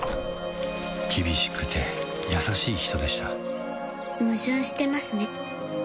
厳しくて優しい人でした矛盾してますね